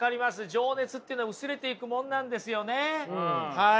情熱っていうのは薄れていくもんなんですよねはい。